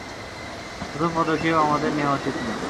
প্রথম পদক্ষেপ আমাদের নেয়া উচিত না।